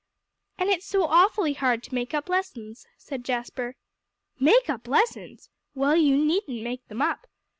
"And it's so awfully hard to make up lessons," said Jasper. "Make up lessons? Well, you needn't make them up.